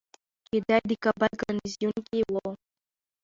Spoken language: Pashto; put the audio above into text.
چې دی د کابل ګارنیزیون کې ؤ